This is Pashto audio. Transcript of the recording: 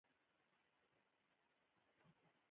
ټول د باندې ووتل.